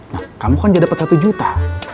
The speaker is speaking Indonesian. nah kamu kan sudah dapat satu juta